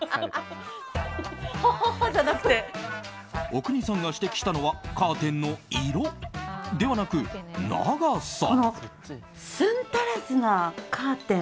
阿国さんが指摘したのはカーテンの色ではなく長さ。